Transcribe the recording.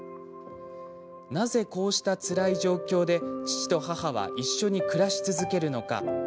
なぜ、こうしたつらい状況で父と母は一緒に暮らし続けるのか。